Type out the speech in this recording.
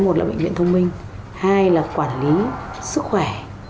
một là bệnh viện thông minh hai là quản lý sức khỏe